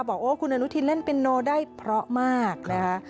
บอกว่าคุณอนุทินเล่นเป็นโนได้เพราะมากนะคะ